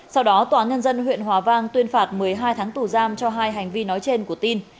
sau đó tòa nhân dân huyện hòa vang tuyên phạt một mươi hai tháng tù giam cho hai hành vi nói trên của tin